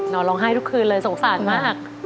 ร้องไห้ทุกคืนเลยสงสารมาก